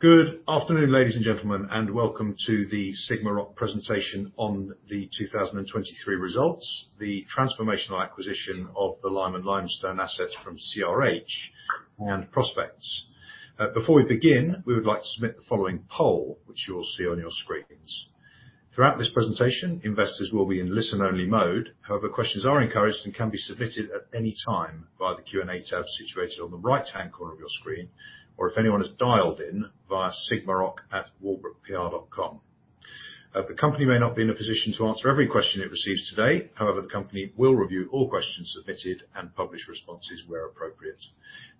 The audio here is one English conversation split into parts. Good afternoon, ladies and gentlemen, and welcome to the SigmaRoc presentation on the 2023 results, the transformational acquisition of the Lime and Limestone assets from CRH, and prospects. Before we begin, we would like to submit the following poll, which you'll see on your screens. Throughout this presentation, investors will be in listen-only mode, however, questions are encouraged and can be submitted at any time via the Q&A tab situated on the right-hand corner of your screen, or if anyone has dialed in via sigmaroc@walbrookpr.com. The company may not be in a position to answer every question it receives today, however, the company will review all questions submitted and publish responses where appropriate.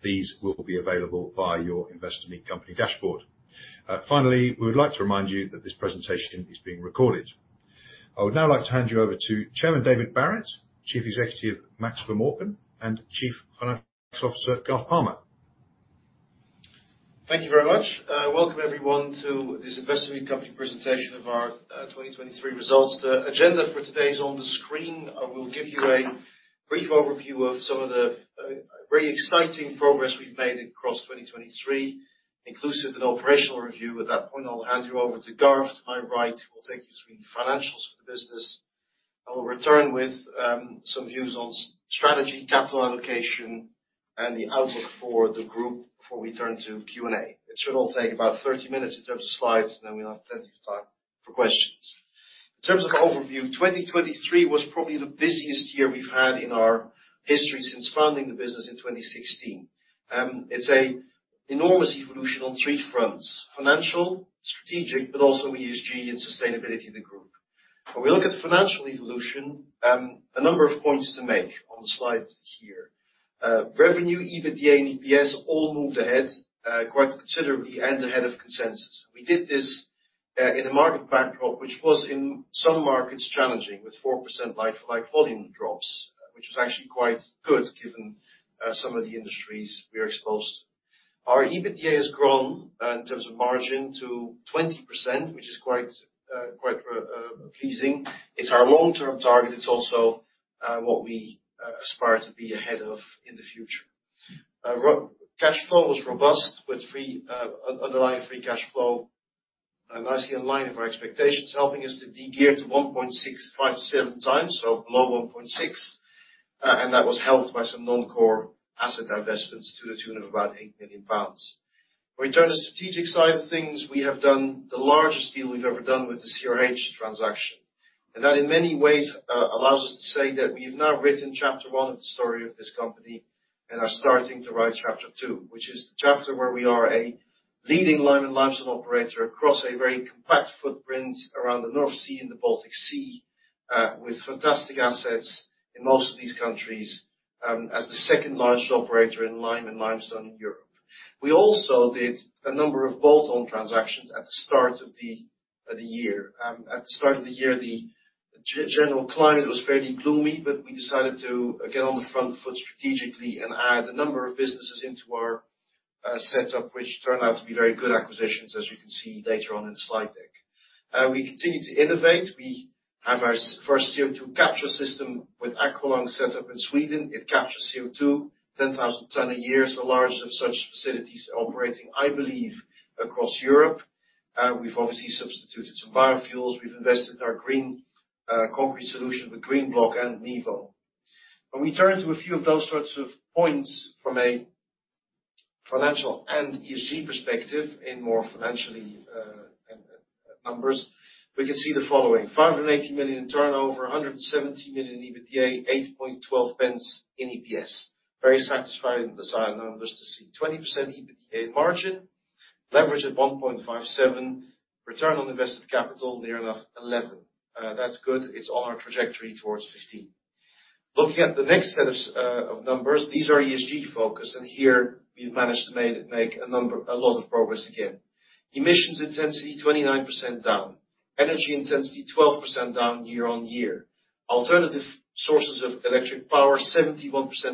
These will be available via your Investor Meet Company dashboard. Finally, we would like to remind you that this presentation is being recorded. I would now like to hand you over to Chairman David Barrett, Chief Executive Max Vermorken, and Chief Financial Officer Garth Palmer. Thank you very much. Welcome, everyone, to this Investor Meet Company presentation of our 2023 results. The agenda for today's on the screen will give you a brief overview of some of the very exciting progress we've made across 2023, inclusive an operational review. At that point, I'll hand you over to Garth to my right, who will take you through the financials for the business. I will return with some views on strategy, capital allocation, and the outlook for the group before we turn to Q&A. It should all take about 30 minutes in terms of slides, and then we'll have plenty of time for questions. In terms of overview, 2023 was probably the busiest year we've had in our history since founding the business in 2016. It's an enormous evolution on three fronts: financial, strategic, but also ESG and sustainability in the group. When we look at the financial evolution, a number of points to make on the slides here. Revenue, EBITDA, and EPS all moved ahead, quite considerably and ahead of consensus. We did this, in a market backdrop which was, in some markets, challenging, with 4% like-for-like volume drops, which was actually quite good given, some of the industries we were exposed to. Our EBITDA has grown, in terms of margin to 20%, which is quite, quite, pleasing. It's our long-term target. It's also, what we, aspire to be ahead of in the future. Our cash flow was robust with underlying free cash flow, nicely in line with our expectations, helping us to degear to 1.65x-1.7x, so below 1.6x. That was helped by some non-core asset investments to the tune of about 8 million pounds. When we turn to the strategic side of things, we have done the largest deal we've ever done with the CRH transaction. And that, in many ways, allows us to say that we have now written Chapter One of the story of this company and are starting to write chapter two, which is the chapter where we are a leading lime and limestone operator across a very compact footprint around the North Sea and the Baltic Sea, with fantastic assets in most of these countries, as the second-largest operator in lime and limestone in Europe. We also did a number of bolt-on transactions at the start of the year. At the start of the year, the general climate was fairly gloomy, but we decided to get on the front foot strategically and add a number of businesses into our setup, which turned out to be very good acquisitions, as you can see later on in the slide deck. We continue to innovate. We have our first CO2 capture system with Aqualung set up in Sweden. It captures CO2, 10,000 tons a year, so the largest of such facilities operating, I believe, across Europe. We've obviously substituted some biofuels. We've invested in our green concrete solution with Greenbloc and Mevo. When we turn to a few of those sorts of points from a financial and ESG perspective, in more financially and numbers, we can see the following: 580 million in turnover, 170 million in EBITDA, 0.0812 in EPS. Very satisfying desired numbers to see 20% EBITDA margin, leverage at 1.57, return on invested capital near enough 11%. That's good. It's on our trajectory towards 15. Looking at the next set of numbers, these are ESG-focused, and here we've managed to make a lot of progress again. Emissions intensity 29% down, energy intensity 12% down year on year, alternative sources of electric power 71%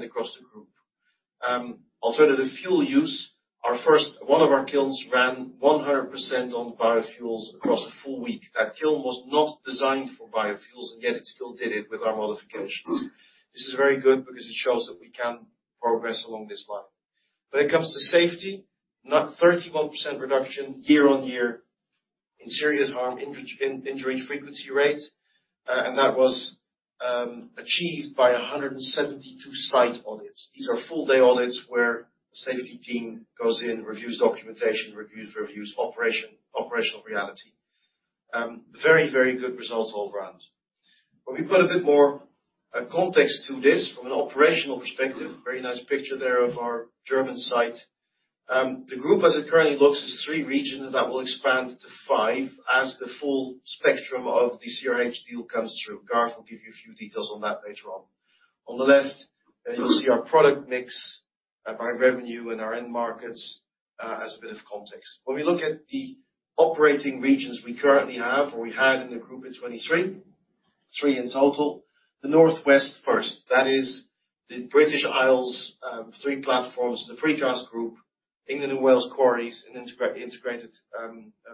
across the group. Alternative fuel use, our first one of our kilns ran 100% on biofuels across a full week. That kiln was not designed for biofuels, and yet it still did it with our modifications. This is very good because it shows that we can progress along this line. When it comes to safety, now 31% reduction year on year in serious harm injury frequency rate. And that was achieved by 172 site audits. These are full-day audits where a safety team goes in, reviews documentation, reviews operational reality. Very good results all round. When we put a bit more context to this from an operational perspective, very nice picture there of our German site. The group, as it currently looks, is three regions that will expand to five as the full spectrum of the CRH deal comes through. Garth will give you a few details on that later on. On the left, you'll see our product mix by revenue and our end markets, as a bit of context. When we look at the operating regions we currently have or we had in the group in 2023, three in total, the Northwest first. That is the British Isles, three platforms, the Precast Products Group, England and Wales quarries, and integrated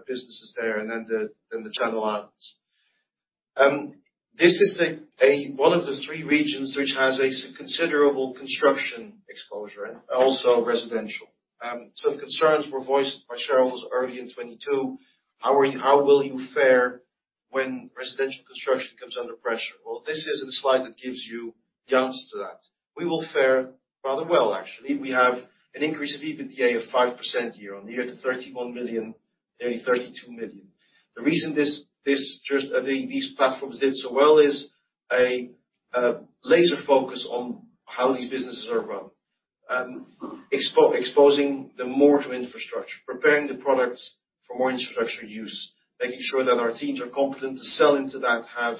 businesses there, and then the Channel Islands. This is one of the three regions which has a considerable construction exposure and also residential. The concerns were voiced by Shore Capital as early in 2022. How will you fare when residential construction comes under pressure? Well, this is the slide that gives you the answer to that. We will fare rather well, actually. We have an increase of EBITDA of 5% year-on-year to 31 million, nearly 32 million. The reason these platforms did so well is a laser focus on how these businesses are run, exposing them more to infrastructure, preparing the products for more infrastructure use, making sure that our teams are competent to sell into that, have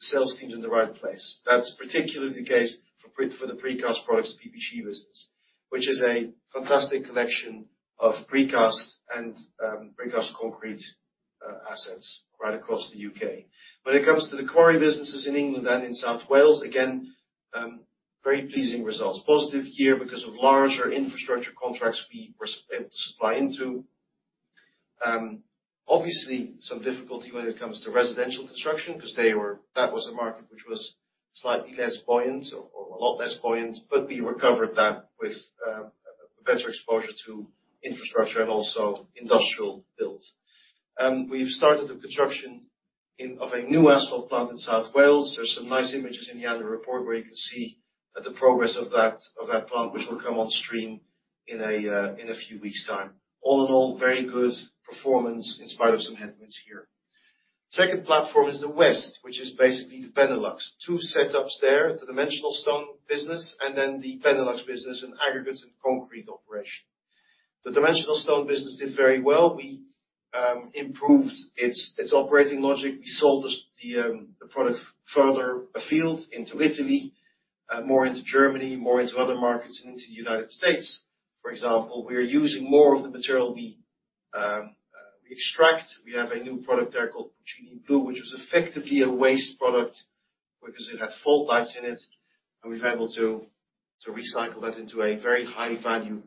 sales teams in the right place. That's particularly the case for the Precast products, the PPG business, which is a fantastic collection of precast concrete assets right across the UK. When it comes to the quarry businesses in England and in South Wales, again, very pleasing results. Positive year because of larger infrastructure contracts we were able to supply into. Obviously, some difficulty when it comes to residential construction because that was a market which was slightly less buoyant or a lot less buoyant. But we recovered that with a better exposure to infrastructure and also industrial builds. We've started the construction of a new asphalt plant in South Wales. There's some nice images in the annual report where you can see the progress of that plant, which will come on stream in a few weeks' time. All in all, very good performance in spite of some headwinds here. Second platform is the west, which is basically the Benelux. Two setups there, the Dimension Stone business and then the Benelux business in aggregates and concrete operation. The Dimension Stone business did very well. We improved its operating logic. We sold the product further afield into Italy, more into Germany, more into other markets, and into the United States. For example, we are using more of the material we extract. We have a new product there called Puccini Blue, which was effectively a waste product because it had fault lines in it. And we've been able to recycle that into a very high-value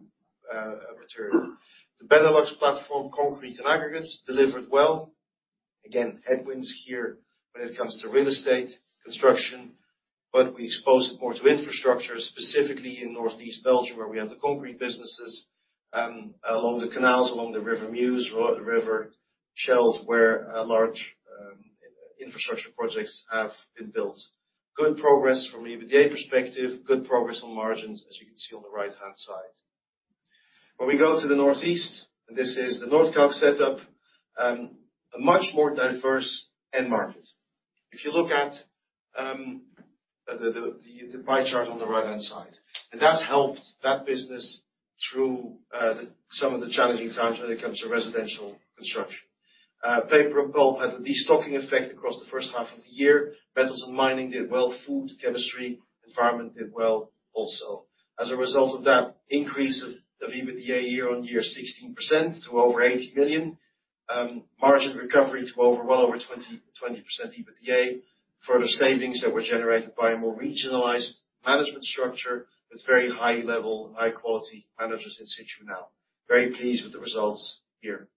material. The Benelux platform, concrete and aggregates, delivered well. Again, headwinds here when it comes to real estate, construction, but we exposed it more to infrastructure, specifically in northeast Belgium where we have the concrete businesses, along the canals, along the River Meuse, to the River Scheldt, where large infrastructure projects have been built. Good progress from EBITDA perspective, good progress on margins, as you can see on the right-hand side. When we go to the northeast, and this is the Nordkalk setup, a much more diverse end market. If you look at the pie chart on the right-hand side, and that's helped that business through some of the challenging times when it comes to residential construction. Pulp had the destocking effect across the first half of the year. Metals and mining did well. Food, chemistry, environment did well also. As a result of that increase of EBITDA year-over-year, 16% to over 80 million, margin recovery to over well over 20% EBITDA, further savings that were generated by a more regionalized management structure with very high-level, high-quality managers in situ now. Very pleased with the results here.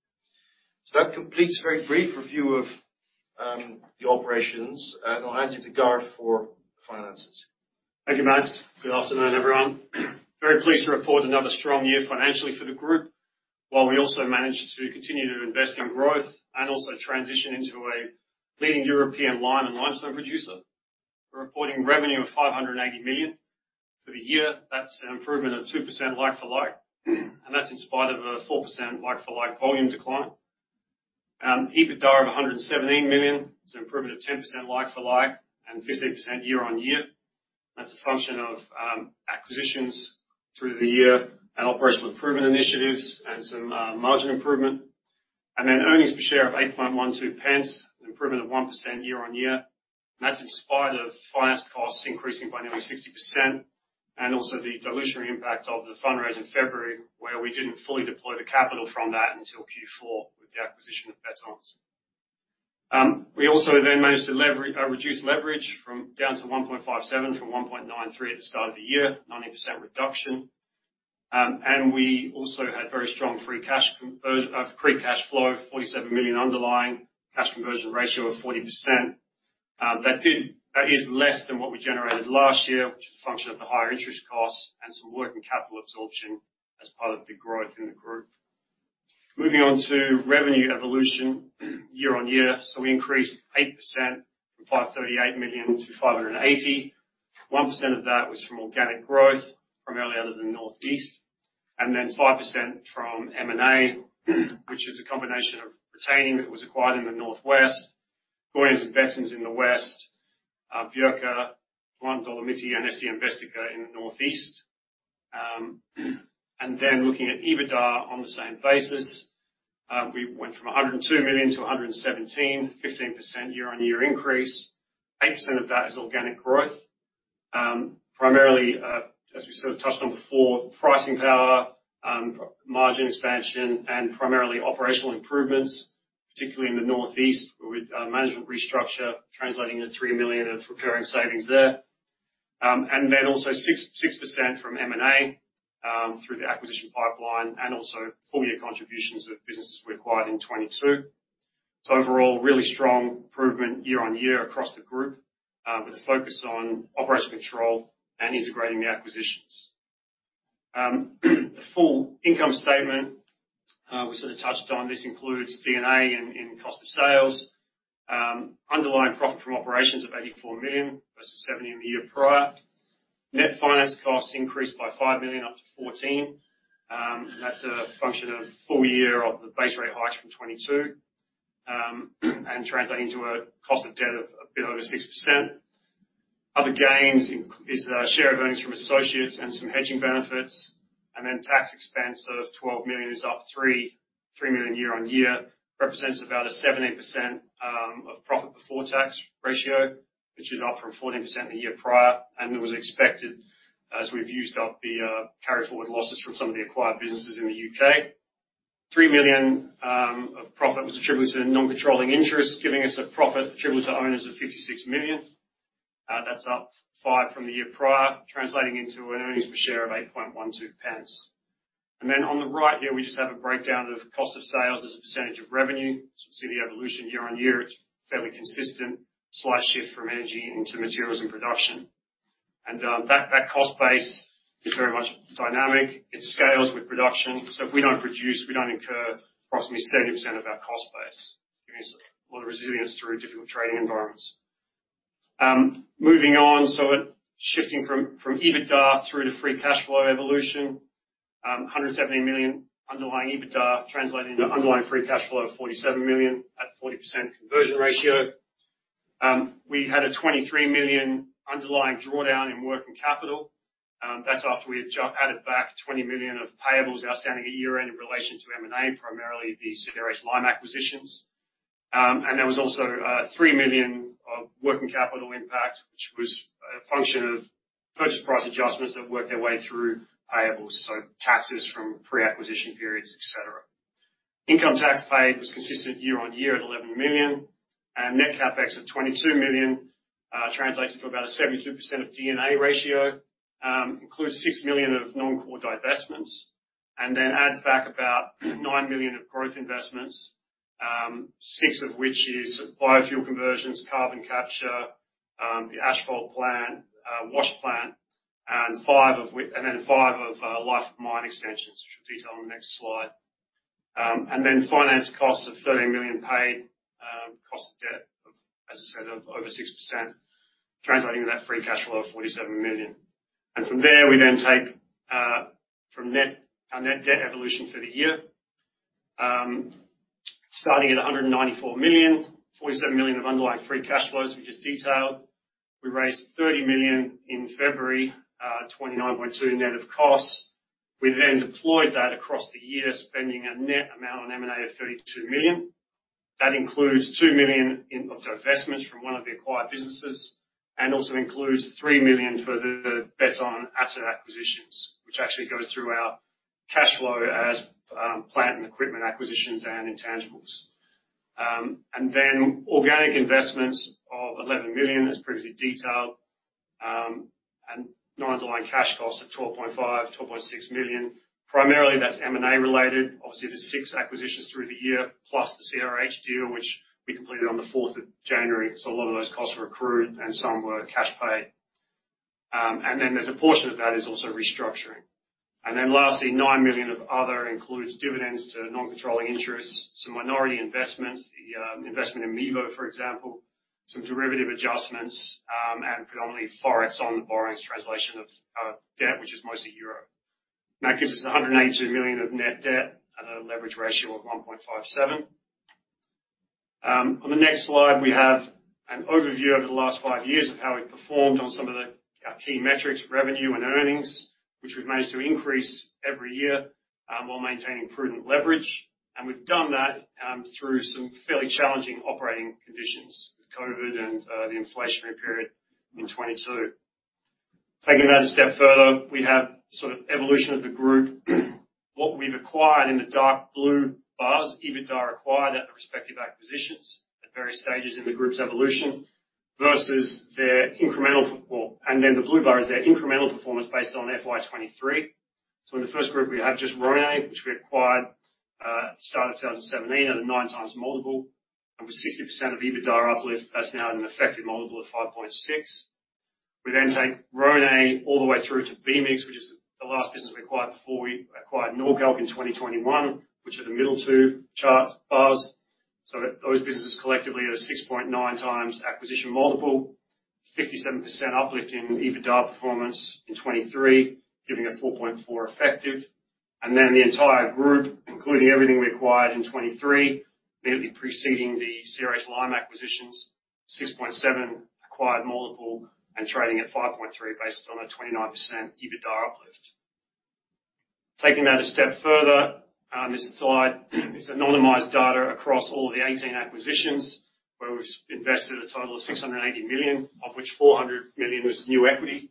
So that completes a very brief review of the operations. I'll hand you to Garth for finances. Thank you, Max. Good afternoon, everyone. Very pleased to report another strong year financially for the group while we also manage to continue to invest in growth and also transition into a leading European lime and limestone producer. We're reporting revenue of 580 million for the year. That's an improvement of 2% like-for-like. And that's in spite of a 4% like-for-like volume decline. EBITDA of 117 million. It's an improvement of 10% like-for-like and 15% year-on-year. That's a function of acquisitions through the year and operational improvement initiatives and some margin improvement. And then earnings per share of 0.0812, an improvement of 1% year-on-year. And that's in spite of finance costs increasing by nearly 60% and also the dilutive impact of the fundraiser in February where we didn't fully deploy the capital from that until Q4 with the acquisition of B-Mix. We also then managed to leverage, reduce leverage down to 1.57 from 1.93 at the start of the year, 90% reduction. We also had very strong free cash conversion of free cash flow, 47 million underlying, cash conversion ratio of 40%. That is less than what we generated last year, which is a function of the higher interest costs and some working capital absorption as part of the growth in the group. Moving on to revenue evolution year-on-year. So we increased 8% from 538 million to 580 million. 1% of that was from organic growth, primarily out of the northeast, and then 5% from M&A, which is a combination of Ronez that was acquired in the northwest, Goijens and B-Mix in the west, Björka, Juuan Dolomiittikalkki, and S.C. Investica in the Northeast. And then looking at EBITDA on the same basis, we went from 102 million to 117 million, 15% year-on-year increase. 8% of that is organic growth, primarily, as we sort of touched on before, pricing power, gross margin expansion, and primarily operational improvements, particularly in the northeast with management restructure, translating into 3 million of recurring savings there. And then also 6.6% from M&A, through the acquisition pipeline and also full-year contributions of businesses we acquired in 2022. So overall, really strong improvement year on year across the group, with a focus on operational control and integrating the acquisitions. The full income statement, we sort of touched on. This includes D&A and cost of sales, underlying profit from operations of 84 million versus 70 million the year prior. Net finance costs increased by 5 million up to 14 million. And that's a function of full year of the base rate hikes from 2022, and translating into a cost of debt of a bit over 6%. Other gains includes share of earnings from associates and some hedging benefits. And then tax expense of 12 million is up 3 million year on year, represents about a 17% of profit before tax ratio, which is up from 14% the year prior. And it was expected, as we've used up the carry-forward losses from some of the acquired businesses in the UK. 3 million of profit was attributed to non-controlling interest, giving us a profit attributed to owners of 56 million. That's up 5 million from the year prior, translating into an earnings per share of 8.12 pence. And then on the right here, we just have a breakdown of cost of sales as a percentage of revenue. So we see the evolution year on year. It's fairly consistent, slight shift from energy into materials and production. That cost base is very much dynamic. It scales with production. So if we don't produce, we don't incur approximately 70% of our cost base, giving us a lot of resilience through difficult trading environments. Moving on, it's shifting from EBITDA through to free cash flow evolution, 170 million underlying EBITDA, translating into underlying free cash flow of 47 million at 40% conversion ratio. We had a 23 million underlying drawdown in working capital. That's after we adjusted, added back 20 million of payables outstanding at year end in relation to M&A, primarily the CRH Lime acquisitions. There was also 3 million of working capital impact, which was a function of purchase price adjustments that worked their way through payables, so taxes from pre-acquisition periods, etc. Income tax paid was consistent year on year at 11 million, and net CapEx of 22 million translates into about a 72% of D&A ratio, includes 6 million of non-core divestments, and then adds back about 9 million of growth investments, 6 of which is biofuel conversions, carbon capture, the asphalt plant, wash plant, and 5 of which life of mine extensions, which we'll detail on the next slide. Finance costs of 13 million paid, cost of debt of, as I said, of over 6%, translating into that free cash flow of 47 million. From there, we then take from our net debt evolution for the year, starting at 194 million, 47 million of underlying free cash flows we just detailed. We raised 30 million in February, 29.2 million net of costs. We then deployed that across the year, spending a net amount on M&A of 32 million. That includes 2 million in of divestments from one of the acquired businesses and also includes 3 million for the bolt-on asset acquisitions, which actually goes through our cash flow as plant and equipment acquisitions and intangibles. Organic investments of 11 million, as previously detailed, and non-underlying cash costs of 12.5-12.6 million. Primarily, that's M&A related. Obviously, there's six acquisitions through the year plus the CRH deal, which we completed on the 4th of January. So a lot of those costs were accrued, and some were cash paid. Then there's a portion of that is also restructuring. And then lastly, 9 million of other includes dividends to non-controlling interests, some minority investments, the investment in Mevo, for example, some derivative adjustments, and predominantly forex on the borrowings, translation of debt, which is mostly euro. And that gives us 182 million of net debt at a leverage ratio of 1.57. On the next slide, we have an overview over the last five years of how we've performed on some of the key metrics, revenue and earnings, which we've managed to increase every year, while maintaining prudent leverage. And we've done that through some fairly challenging operating conditions with COVID and the inflationary period in 2022. Taking that a step further, we have sort of evolution of the group. What we've acquired in the dark blue bars, EBITDA acquired at the respective acquisitions at various stages in the group's evolution versus their incremental, well, and then the blue bar is their incremental performance based on FY23. So in the first group, we have just Ronez, which we acquired, at the start of 2017 at a 9x multiple. And with 60% of EBITDA uplift, that's now an effective multiple of 5.6. We then take Ronez all the way through to B-Mix, which is the last business we acquired before we acquired Nordkalk in 2021, which are the middle two chart bars. So those businesses collectively are a 6.9x acquisition multiple, 57% uplift in EBITDA performance in 2023, giving a 4.4 effective. And then the entire group, including everything we acquired in 2023, immediately preceding the CRH Lime acquisitions, 6.7x acquired multiple and trading at 5.3x based on a 29% EBITDA uplift. Taking that a step further, this slide is anonymized data across all of the 18 acquisitions where we've invested a total of 680 million, of which 400 million was new equity.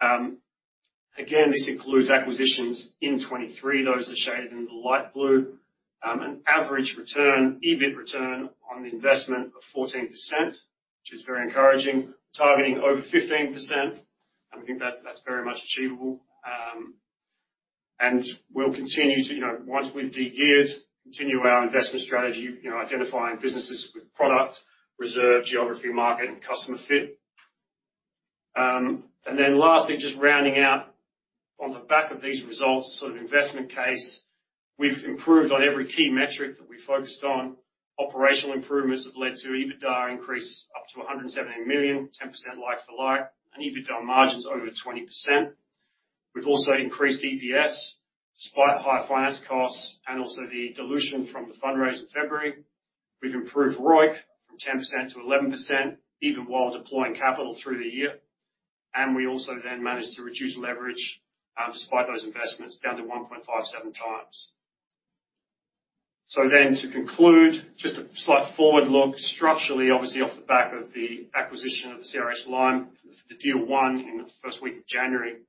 Again, this includes acquisitions in 2023, those that are shaded in the light blue, an average EBIT return on the investment of 14%, which is very encouraging, targeting over 15%. And we think that's, that's very much achievable. And we'll continue to, you know, once we've degeared, continue our investment strategy, you know, identifying businesses with product, reserve, geography, market, and customer fit. and then lastly, just rounding out on the back of these results, a sort of investment case, we've improved on every key metric that we focused on. Operational improvements have led to EBITDA increase up to 117 million, 10% like-for-like, and EBITDA margins over 20%. We've also increased EPS despite high finance costs and also the dilution from the fundraise in February. We've improved ROIC from 10% to 11% even while deploying capital through the year. And we also then managed to reduce leverage, despite those investments down to 1.57 times. So then to conclude, just a slight forward look structurally, obviously, off the back of the acquisition of the CRH Lime, the deal one in the first week of January,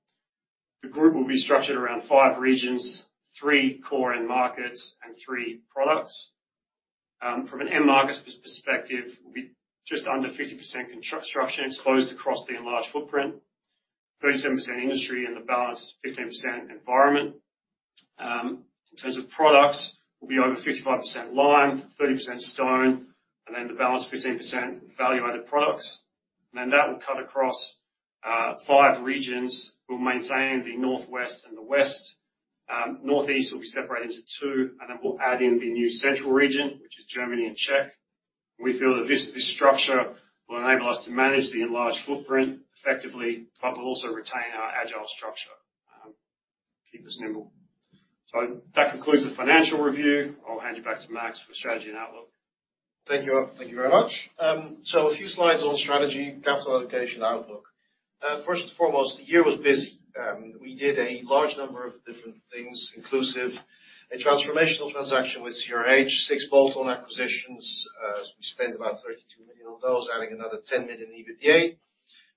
the group will be structured around five regions, three core end markets, and three products. From an end market perspective, we'll be just under 50% construction exposed across the enlarged footprint, 37% industry, and the balance 15% environment. In terms of products, we'll be over 55% lime, 30% stone, and then the balance 15% value-added products. And then that will cut across five regions. We'll maintain the Northwest and the West. Northeast will be separated into two. And then we'll add in the new central region, which is Germany and Czech. We feel that this, this structure will enable us to manage the enlarged footprint effectively, but will also retain our agile structure, keep us nimble. So that concludes the financial review. I'll hand you back to Max for strategy and outlook. Thank you. Thank you very much. So a few slides on strategy, capital allocation outlook. First and foremost, the year was busy. We did a large number of different things, including a transformational transaction with CRH, 6 bolt-on acquisitions. We spent about 32 million on those, adding another 10 million in EBITDA.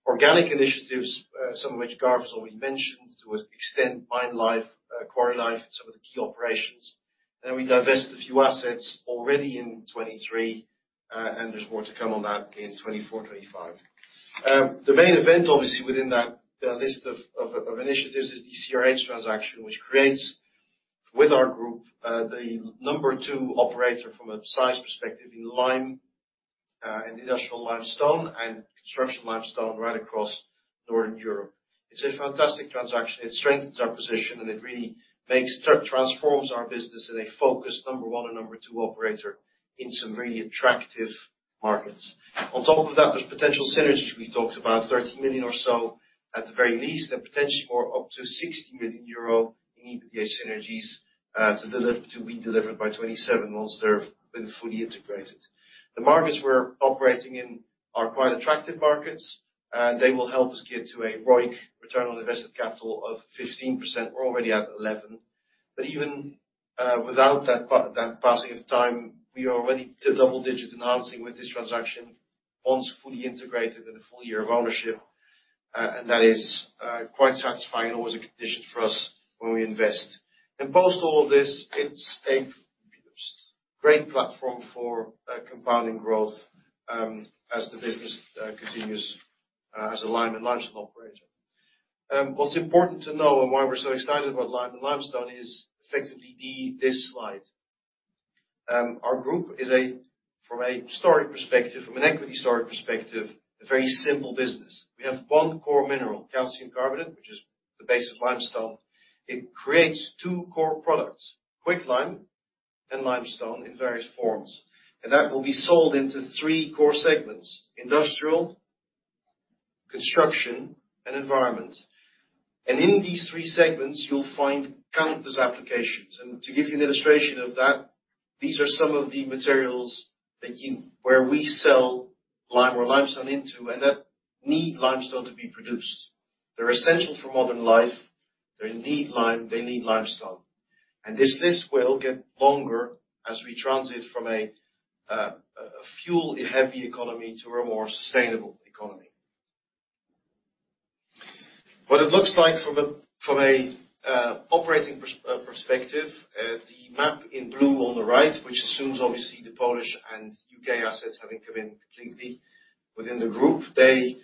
Organic initiatives, some of which Garth has already mentioned, to extend mine life, quarry life in some of the key operations. Then we divested a few assets already in 2023, and there's more to come on that in 2024, 2025. The main event, obviously, within that, that list of, of, of initiatives is the CRH transaction, which creates with our group, the number two operator from a size perspective in lime, and industrial limestone and construction limestone right across northern Europe. It's a fantastic transaction. It strengthens our position, and it really makes transforms our business in a focused number one and number two operator in some really attractive markets. On top of that, there's potential synergies we've talked about, 30 million or so at the very least, and potentially more up to 60 million euro in EBITDA synergies, to deliver to be delivered by 2027 once they've been fully integrated. The markets we're operating in are quite attractive markets. They will help us get to a ROIC, return on invested capital, of 15%. We're already at 11%. But even without that passing of time, we are already double-digit enhancing with this transaction once fully integrated and a full year of ownership. That is quite satisfying and always a condition for us when we invest. Post all of this, it's a great platform for compounding growth as the business continues as a lime and limestone operator. What's important to know and why we're so excited about lime and limestone is effectively this slide. Our group is from a story perspective, from an equity story perspective, a very simple business. We have one core mineral, calcium carbonate, which is the base of limestone. It creates two core products, quicklime and limestone, in various forms. That will be sold into three core segments, industrial, construction, and environment. In these three segments, you'll find countless applications. To give you an illustration of that, these are some of the materials that we sell lime or limestone into, and that need limestone to be produced. They're essential for modern life. They need lime. They need limestone. This list will get longer as we transit from a fuel-heavy economy to a more sustainable economy. What it looks like from an operating perspective, the map in blue on the right, which assumes, obviously, the Polish and UK assets having come in completely within the group, they,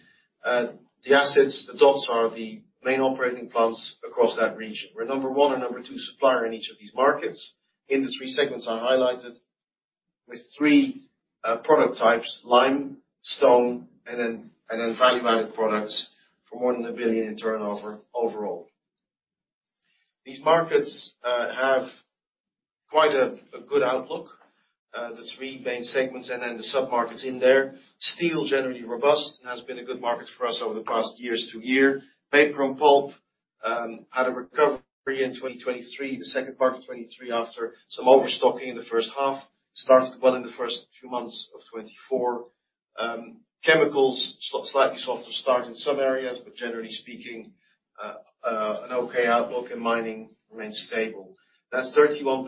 the assets, the dots are the main operating plants across that region. We're number one and number two supplier in each of these markets. Industry segments are highlighted with three product types, lime, stone, and then value-added products for more than 1 billion in turnover overall. These markets have quite a good outlook, the three main segments and then the submarkets in there. Steel generally robust and has been a good market for us over the past year-to-year. Paper and pulp had a recovery in 2023, the second part of 2023, after some overstocking in the first half, started well in the first few months of 2024. Chemicals slightly softer start in some areas, but generally speaking, an okay outlook and mining remains stable. That's 31%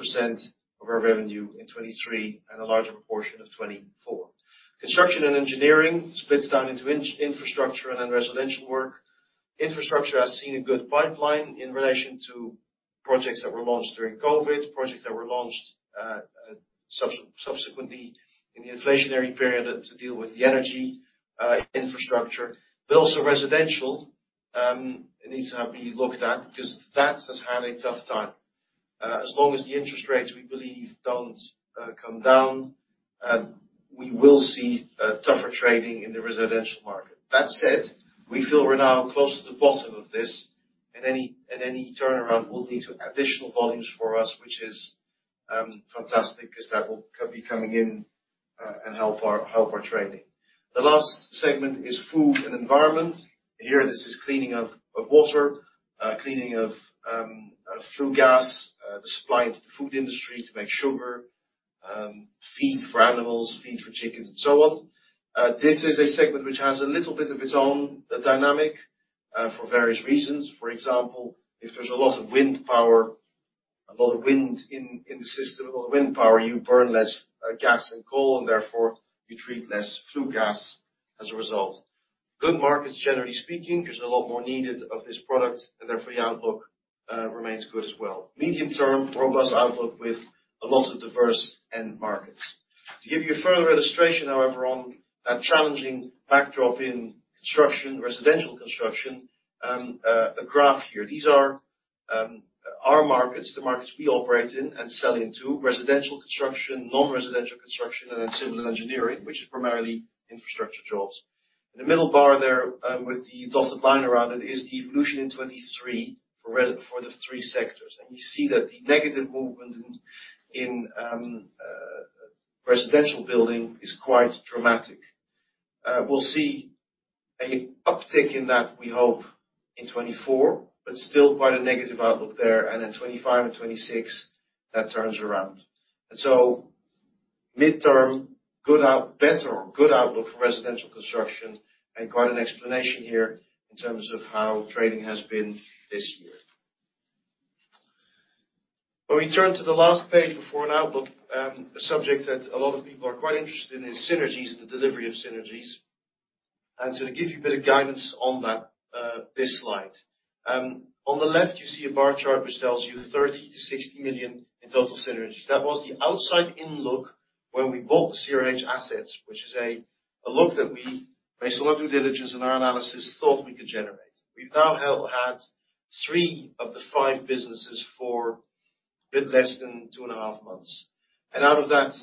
of our revenue in 2023 and a larger proportion of 2024. Construction and engineering splits down into infrastructure and then residential work. Infrastructure has seen a good pipeline in relation to projects that were launched during COVID, projects that were launched subsequently in the inflationary period to deal with the energy infrastructure. But also residential needs to be looked at because that has had a tough time. As long as the interest rates, we believe, don't come down, we will see tougher trading in the residential market. That said, we feel we're now close to the bottom of this. And any turnaround will lead to additional volumes for us, which is fantastic because that will be coming in and help our trading. The last segment is food and environment. Here, this is cleaning of water, cleaning of flue gas, the supply into the food industry to make sugar, feed for animals, feed for chickens, and so on. This is a segment which has a little bit of its own dynamic, for various reasons. For example, if there's a lot of wind power, a lot of wind in the system, you burn less gas and coal, and therefore, you treat less flue gas as a result. Good markets, generally speaking, because a lot more needed of this product, and therefore, the outlook remains good as well. Medium-term, robust outlook with a lot of diverse end markets. To give you a further illustration, however, on that challenging backdrop in construction, residential construction: a graph here. These are our markets, the markets we operate in and sell into: residential construction, non-residential construction, and then civil engineering, which is primarily infrastructure jobs. And the middle bar there, with the dotted line around it, is the evolution in 2023 for the three sectors. And you see that the negative movement in residential building is quite dramatic. We'll see an uptick in that, we hope, in 2024, but still quite a negative outlook there. And in 2025 and 2026, that turns around. And so midterm, good out better or good outlook for residential construction. And quite an explanation here in terms of how trading has been this year. When we turn to the last page before an outlook, a subject that a lot of people are quite interested in is synergies and the delivery of synergies. So to give you a bit of guidance on that, this slide, on the left, you see a bar chart which tells you 30 million-60 million in total synergies. That was the outside-in look when we bought the CRH assets, which is a look that we, based on our due diligence and our analysis, thought we could generate. We've now held three of the five businesses for a bit less than two and a half months. Out of that,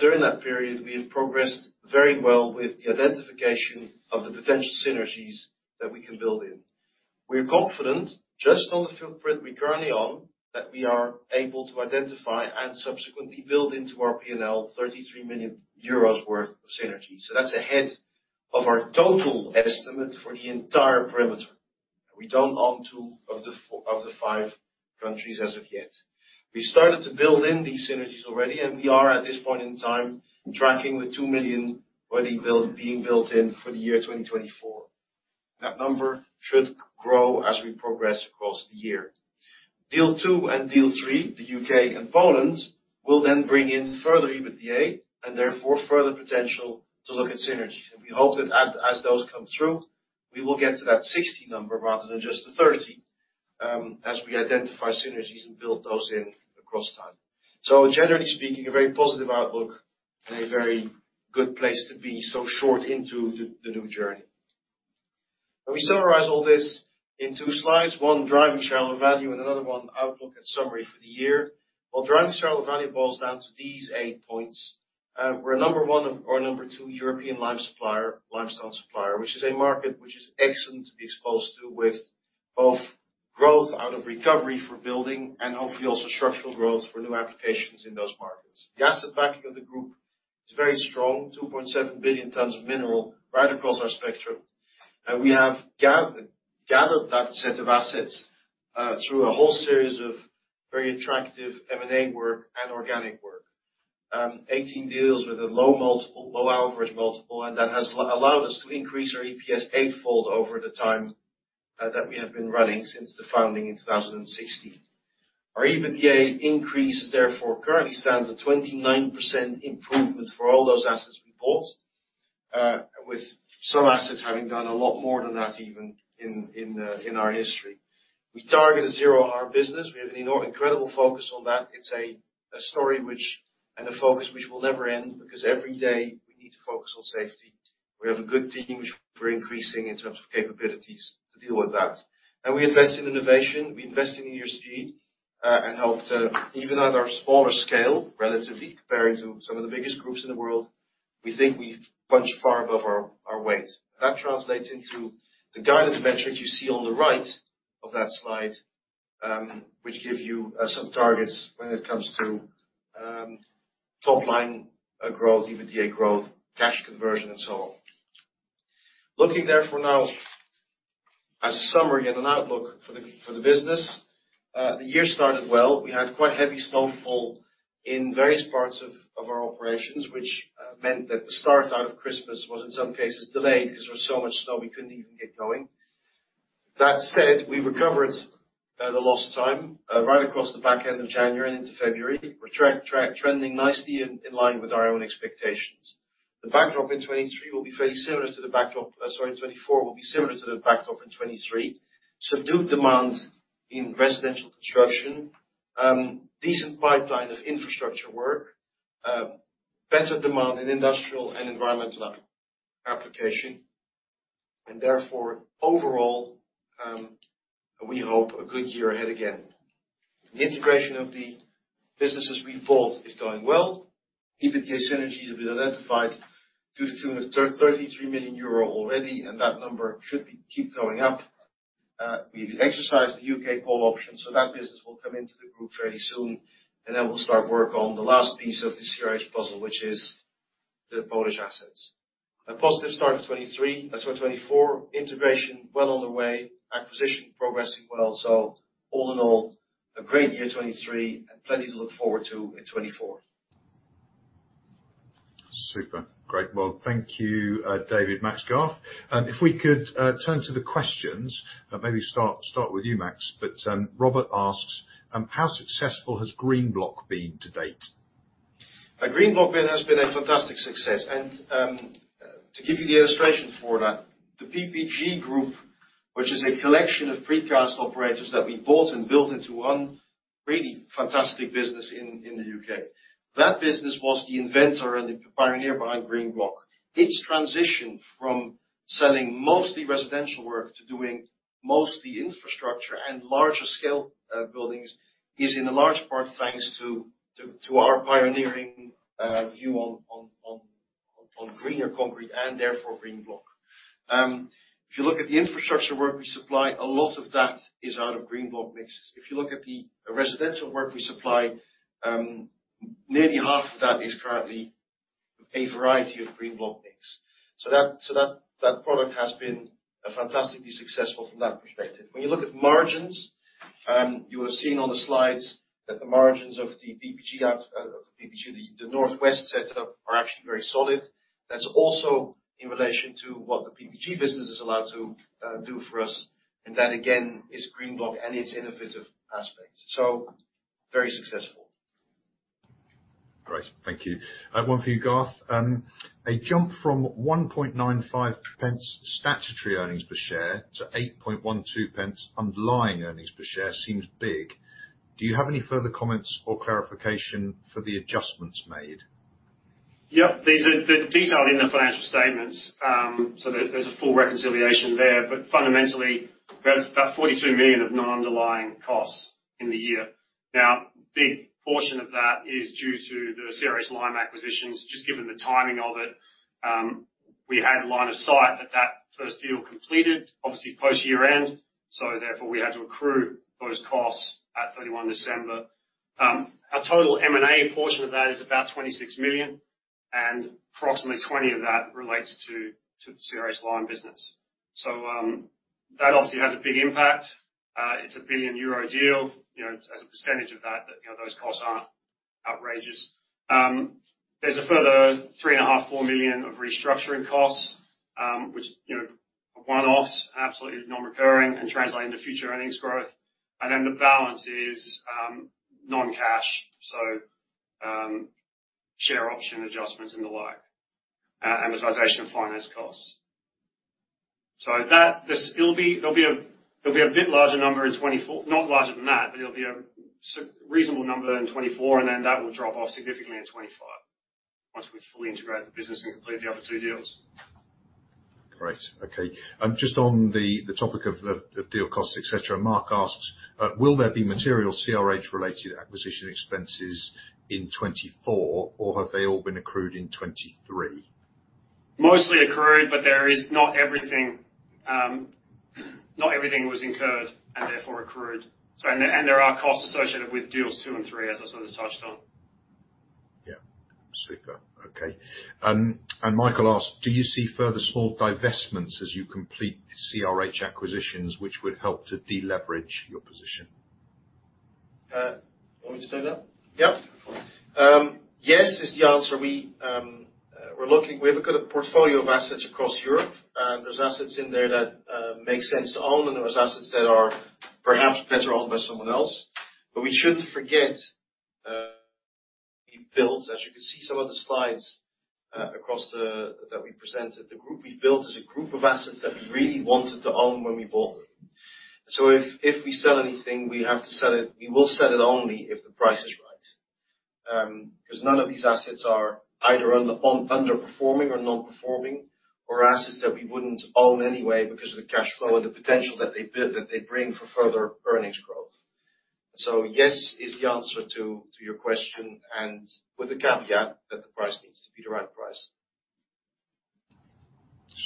during that period, we have progressed very well with the identification of the potential synergies that we can build in. We're confident, just on the footprint we're currently on, that we are able to identify and subsequently build into our P&L 33 million euros worth of synergies. So that's ahead of our total estimate for the entire perimeter. We don't own two of the four of the five countries as of yet. We've started to build in these synergies already, and we are at this point in time tracking with 2 million already built being built in for the year 2024. That number should grow as we progress across the year. Deal two and deal three, the UK and Poland, will then bring in further EBITDA and therefore further potential to look at synergies. And we hope that as those come through, we will get to that 60 number rather than just the 30, as we identify synergies and build those in across time. Generally speaking, a very positive outlook and a very good place to be so short into the new journey. When we summarize all this in 2 slides, one driving share of value and another one outlook and summary for the year. Well, driving share of value boils down to these 8 points. We're number one or number two European lime supplier, limestone supplier, which is a market which is excellent to be exposed to with both growth out of recovery for building and hopefully also structural growth for new applications in those markets. The asset backing of the group is very strong, 2.7 billion tons of mineral right across our spectrum. We have gathered that set of assets, through a whole series of very attractive M&A work and organic work, 18 deals with a low multiple, low average multiple, and that has allowed us to increase our EPS eightfold over the time that we have been running since the founding in 2016. Our EBITDA increase therefore currently stands at 29% improvement for all those assets we bought, with some assets having done a lot more than that even in our history. We target a zero-harm business. We have an enormous incredible focus on that. It's a story and a focus which will never end because every day, we need to focus on safety. We have a good team which we're increasing in terms of capabilities to deal with that. We invest in innovation. We invest in ESG, and hope to even at our smaller scale, relatively, comparing to some of the biggest groups in the world, we think we've punched far above our weight. That translates into the guidance metrics you see on the right of that slide, which give you some targets when it comes to topline growth, EBITDA growth, cash conversion, and so on. Looking therefore now as a summary and an outlook for the business, the year started well. We had quite heavy snowfall in various parts of our operations, which meant that the start out of Christmas was in some cases delayed because there was so much snow we couldn't even get going. That said, we recovered the lost time right across the back end of January and into February. We're tracking nicely in line with our own expectations. The backdrop in 2023 will be fairly similar to the backdrop sorry, 2024 will be similar to the backdrop in 2023. Subdued demand in residential construction, decent pipeline of infrastructure work, better demand in industrial and environmental application. And therefore, overall, we hope a good year ahead again. The integration of the businesses we've bought is going well. EBITDA synergies have been identified to the tune of 33 million euro already, and that number should be keep going up. We exercised the UK call option, so that business will come into the group fairly soon. And then we'll start work on the last piece of the CRH puzzle, which is the Polish assets. A positive start of 2023 sorry, 2024. Integration well on the way. Acquisition progressing well. So all in all, a great year 2023 and plenty to look forward to in 2024. Super. Great. Well, thank you, David, Max, Garth. If we could turn to the questions, maybe start with you, Max. But Robert asks, how successful has Greenbloc been to date? Greenbloc has been a fantastic success. To give you the illustration for that, the PPG group, which is a collection of precast operators that we bought and built into one really fantastic business in the UK, that business was the inventor and the pioneer behind Greenbloc. Its transition from selling mostly residential work to doing mostly infrastructure and larger-scale buildings is in a large part thanks to our pioneering view on greener concrete and therefore Greenbloc. If you look at the infrastructure work we supply, a lot of that is out of Greenbloc mixes. If you look at the residential work we supply, nearly half of that is currently a variety of Greenbloc mix. So that so that, that product has been fantastically successful from that perspective. When you look at margins, you have seen on the slides that the margins of the PPG out of the PPG, the, the Northwest setup, are actually very solid. That's also in relation to what the PPG business is allowed to, do for us. And that, again, is Greenbloc and its innovative aspects. So very successful. Great. Thank you. One for you, Garth. A jump from 1.95 pence statutory earnings per share to 8.12 pence underlying earnings per share seems big. Do you have any further comments or clarification for the adjustments made? Yep. These are detailed in the financial statements. So there's a full reconciliation there. But fundamentally, we have about 42 million of non-underlying costs in the year. Now, a big portion of that is due to the CRH Lime acquisitions. Just given the timing of it, we had line of sight that that first deal completed, obviously, post-year-end. So therefore, we had to accrue those costs at 31 December. Our total M&A portion of that is about 26 million. And approximately 20 million of that relates to, to the CRH Lime business. So, that obviously has a big impact. It's a 1 billion euro deal. You know, as a percentage of that, you know, those costs aren't outrageous. There's a further 3.5-4 million of restructuring costs, which, you know, are one-offs, absolutely non-recurring, and translate into future earnings growth. And then the balance is, non-cash, so, share option adjustments and the like, amortization of finance costs. So that this, it'll be a bit larger number in 2024, not larger than that, but it'll be a reasonable number in 2024. Then that will drop off significantly in 2025 once we've fully integrated the business and completed the other two deals. Great. Okay. Just on the topic of the deal costs, etc., Mark asks, will there be material CRH-related acquisition expenses in 2024, or have they all been accrued in 2023? Mostly accrued, but not everything was incurred and therefore accrued. So there are costs associated with deals two and three, as I sort of touched on. Yeah. Super. Okay. And Michael asks, do you see further small divestments as you complete CRH acquisitions which would help to deleverage your position? Want me to say that? Yep. Yes is the answer. We're looking, we have a good portfolio of assets across Europe. There's assets in there that make sense to own, and there's assets that are perhaps better owned by someone else. But we shouldn't forget, we've built, as you can see some of the slides across the that we presented, the group we've built is a group of assets that we really wanted to own when we bought them. So if we sell anything, we have to sell it, we will sell it only if the price is right, because none of these assets are either underperforming or non-performing or assets that we wouldn't own anyway because of the cash flow and the potential that they build that they bring for further earnings growth. So yes is the answer to your question, and with the caveat that the price needs to be the right price.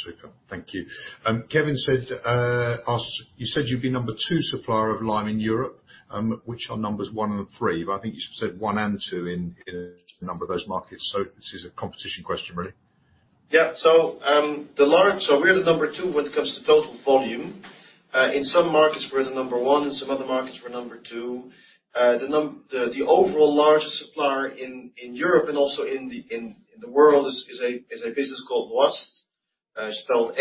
Super. Thank you. Kevin said, asked—you said you'd be number two supplier of lime in Europe, which are numbers one and three. But I think you said one and two in a number of those markets. So this is a competition question, really. Yep. So, the largest, so we're the number two when it comes to total volume. In some markets, we're the number one. In some other markets, we're number two. The overall largest supplier in Europe and also in the world is a business called Lhoist, spelled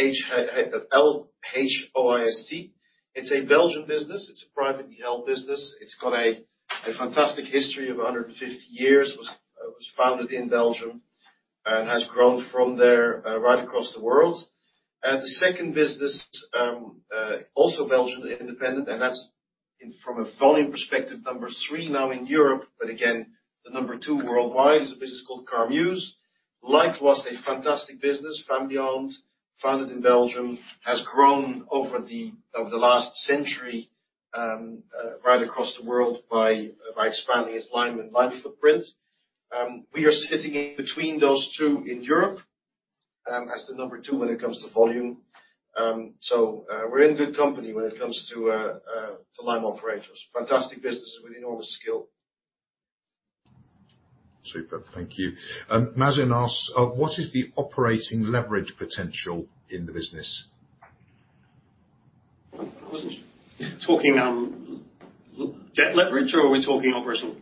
L-H-O-I-S-T. It's a Belgian business. It's a privately held business. It's got a fantastic history of 150 years. Was founded in Belgium, and has grown from there, right across the world. The second business, also Belgian independent, and that's in from a volume perspective, number 3 now in Europe, but again, the number 2 worldwide is a business called Carmeuse. Like Lhoist, a fantastic business, family-owned, founded in Belgium, has grown over the last century, right across the world by expanding its lime and lime footprint. We are sitting in between those two in Europe, as the number 2 when it comes to volume. So, we're in good company when it comes to lime operators. Fantastic businesses with enormous skill. Super. Thank you. Mazin asks, what is the operating leverage potential in the business? Wasn't talking, debt leverage, or are we talking operational?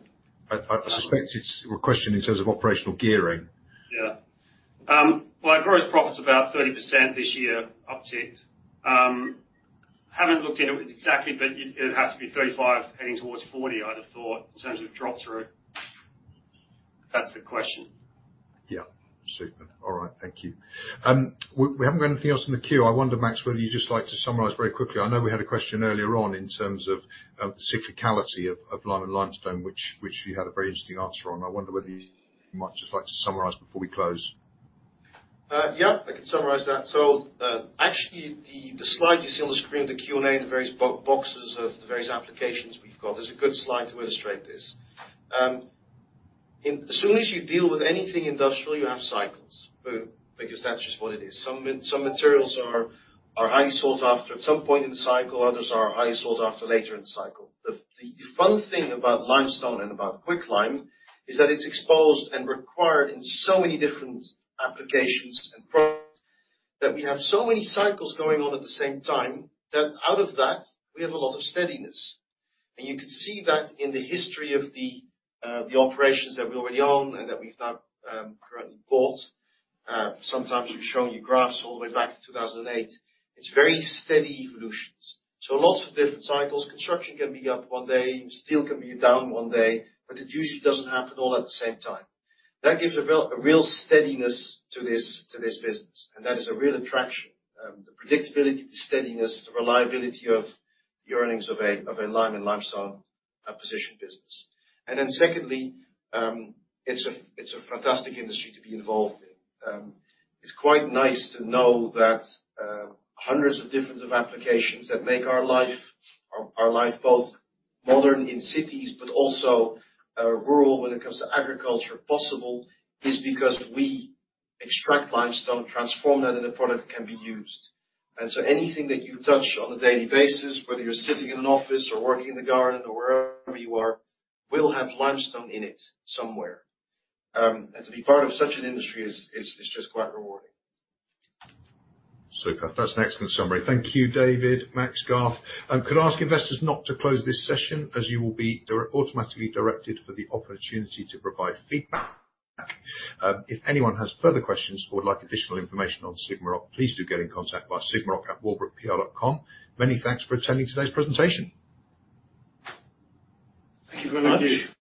I suspect it's your question in terms of operational gearing. Yeah. Well, our gross profit's about 30% this year, upticked. Haven't looked into it exactly, but it, it would have to be 35 heading towards 40, I'd have thought, in terms of drop-through. That's the question. Yeah. Super. All right. Thank you. We, we haven't got anything else in the queue. I wonder, Max, whether you'd just like to summarize very quickly. I know we had a question earlier on in terms of, cyclicality of, of lime and limestone, which, which you had a very interesting answer on. I wonder whether you might just like to summarize before we close. Yep. I can summarize that. So, actually, the, the slide you see on the screen, the Q&A and the various boxes of the various applications we've got, there's a good slide to illustrate this. As soon as you deal with anything industrial, you have cycles, boom, because that's just what it is. Some materials are highly sought after at some point in the cycle. Others are highly sought after later in the cycle. The fun thing about limestone and about quicklime is that it's exposed and required in so many different applications and products that we have so many cycles going on at the same time that out of that, we have a lot of steadiness. And you can see that in the history of the operations that we already own and that we've now currently bought. Sometimes we've shown you graphs all the way back to 2008. It's very steady evolutions. So lots of different cycles. Construction can be up one day. Steel can be down one day. But it usually doesn't happen all at the same time. That gives a real steadiness to this business. That is a real attraction, the predictability, the steadiness, the reliability of the earnings of a lime and limestone position business. And then secondly, it's a fantastic industry to be involved in. It's quite nice to know that hundreds of different applications that make our life both modern in cities but also rural when it comes to agriculture possible is because we extract limestone, transform that, and the product can be used. And so anything that you touch on a daily basis, whether you're sitting in an office or working in the garden or wherever you are, will have limestone in it somewhere. And to be part of such an industry is just quite rewarding. Super. That's an excellent summary. Thank you, David, Max Vermorken. Could I ask investors not to close this session as you will be automatically directed for the opportunity to provide feedback? If anyone has further questions or would like additional information on SigmaRoc, please do get in contact via sigmaroc@walbrookpr.com. Many thanks for attending today's presentation. Thank you very much.